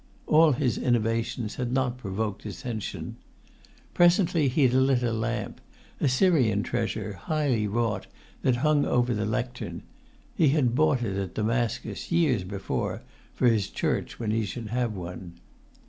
All his innovations had not provoked dissension. Presently he lit a lamp, a Syrian treasure, highly wrought, that hung over the lectern: he had bought it at Damascus, years before, for his church when he should have one.